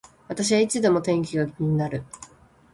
私はいつでも天気が気になる